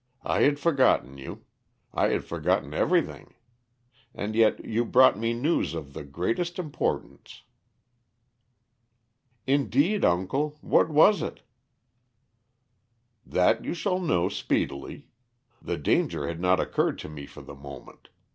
"I had forgotten you; I had forgotten everything. And yet you brought me news of the greatest importance." "Indeed, uncle. What was it?" "That you shall know speedily. The danger had not occurred to me for the moment.